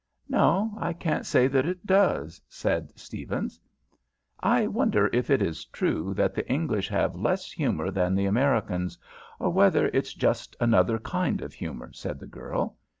"No, I can't say that it does," said Stephens. "I wonder if it is true that the English have less humour than the Americans, or whether it's just another kind of humour," said the girl.